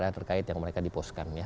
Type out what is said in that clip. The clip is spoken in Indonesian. itu merupakan ujung tombak kita sebetulnya